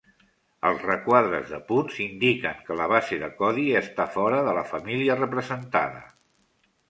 Els requadres de punts indiquen que la base de codi està fora de la família representada.